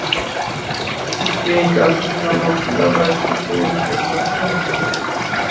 اُس کے اِکیاسی سالوں کے دادا جی کو اُس پر فخر ہے